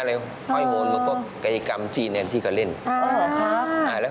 เฮ่ยเอาแฟนมาเล่นด้วย